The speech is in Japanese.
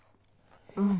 うん。